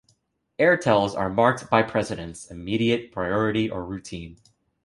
Airtels are marked by precedence: immediate, priority, or routine.